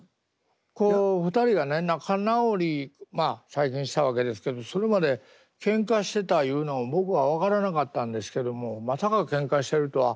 最近したわけですけどそれまでけんかしてたいうの僕は分からなかったんですけどもまさかけんかしてるとは。